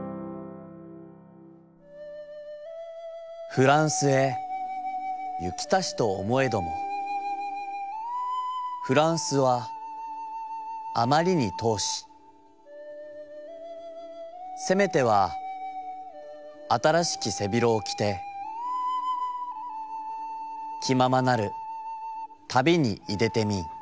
「ふらんすへ行きたしと思へどもふらんすはあまりに遠しせめては新しき背広をきてきままなる旅にいでてみん。